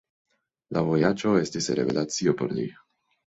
La vojaĝo estis revelacio por li.